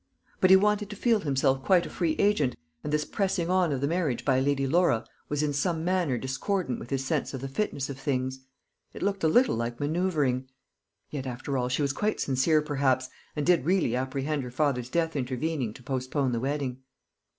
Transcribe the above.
But he wanted to feel himself quite a free agent, and this pressing on of the marriage by Lady Laura was in some manner discordant with his sense of the fitness of things. It looked a little like manoeuvring; yet after all she was quite sincere, perhaps, and did really apprehend her father's death intervening to postpone the wedding.